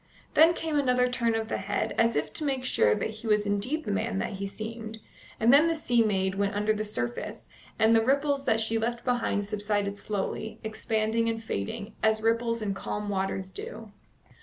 Then came another turn of the head, as if to make sure that he was indeed the man that he seemed, and then the sea maid went under the surface, and the ripples that she left behind subsided slowly, expanding and fading, as ripples in calm waters do.